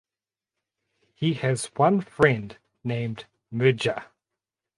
He has one friend named Merja.